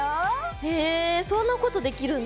へえそんなことできるんだ。